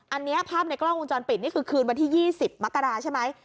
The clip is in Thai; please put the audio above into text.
อันนี้ภาพในกล้องวงจรปิดนี่คือคืนวันที่๒๐มกราใช่ไหม